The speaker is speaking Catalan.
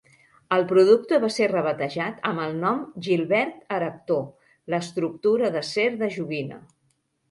El producte va ser rebatejat amb el nom "Gilbert Erector, L'estructura d'acer de joguina".